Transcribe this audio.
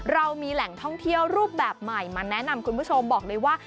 เรามีแหล่งท่องเที่ยวรูปแบบใหม่มาแนะนำคุณผู้ชมบอกเลยว่า